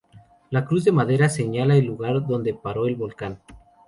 La Cruz de madera señala el lugar donde paró el volcán.